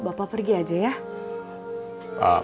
bapak pergi aja ya